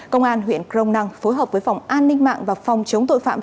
công an huyện crong năng phối hợp với phòng an ninh mạng và phòng chống tội phạm